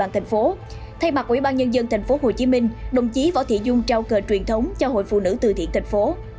thay mặt ủy ban nhân dân tp hcm đồng chí võ thị dung trao cờ truyền thống cho hội phụ nữ từ thiện tp